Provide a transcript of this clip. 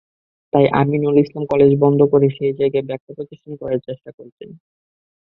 তাই আমিনুল ইসলাম কলেজ বন্ধ করে সেই জায়গায় ব্যবসাপ্রতিষ্ঠান করার চেষ্টা করছেন।